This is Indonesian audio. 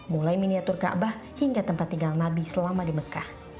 mulai miniatur kaabah hingga tempat tinggal nabi selama di mekah